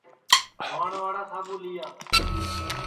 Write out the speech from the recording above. نوہانواڑا ساٻو لیا